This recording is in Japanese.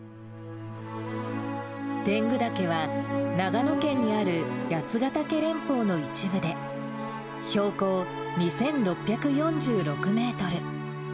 天狗岳は、長野県にある八ヶ岳連峰の一部で、標高２６４６メートル。